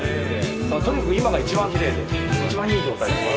とにかく今が一番奇麗で一番いい状態で今。